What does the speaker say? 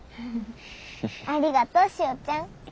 ありがとうしおちゃん。